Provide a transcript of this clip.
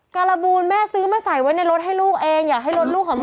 การบูลแม่ซื้อมาใส่ไว้ในรถให้ลูกเองอยากให้รถลูกของพ่อ